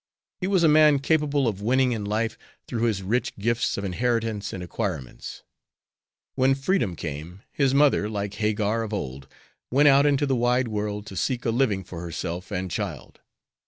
He was a man capable of winning in life through his rich gifts of inheritance and acquirements. When freedom came, his mother, like Hagar of old, went out into the wide world to seek a living for herself and child.